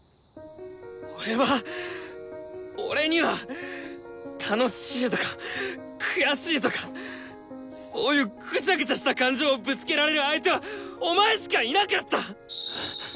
俺は俺には楽しいとか悔しいとかそういうぐちゃぐちゃした感情をぶつけられる相手はお前しかいなかった！